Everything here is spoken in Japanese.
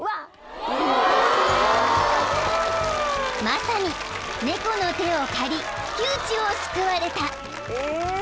［まさに猫の手を借り窮地を救われた］